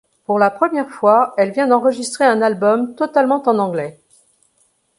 Pour la première fois elle vient d'enregistrer un album totalement en anglais.